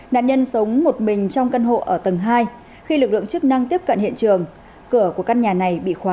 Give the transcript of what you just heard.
nạn nhân sống một mình trong căn hộ ở tầng hai khi lực lượng chức năng tiếp cận hiện trường cửa của căn nhà này bị khóa